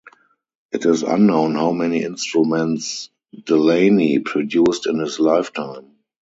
It is unknown how many instruments Delany produced in his lifetime.